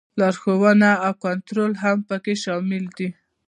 لارښوونه او کنټرول هم پکې شامل دي.